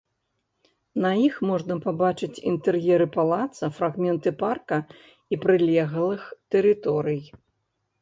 На іх можна пабачыць інтэр'еры палаца, фрагменты парка і прылеглых тэрыторый.